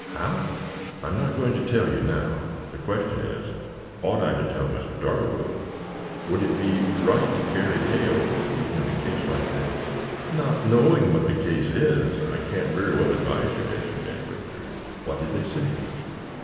"How?" "I am not going to tell you now. The question is, ought I to tell Mr. Darwood? Would it be right to carry tales, even in a case like this?" "Not knowing what the case is I can't very well advise you," answered Ned Rector. "What did they say?"